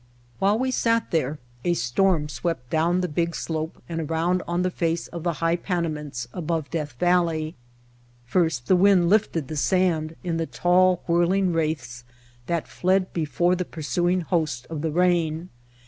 While we sat there a storm swept down the big slope and around on the face of the high Panamints above Death Valley. First the wind lifted the sand in the tall whirling wraiths that fled before the pursuing host of the rain.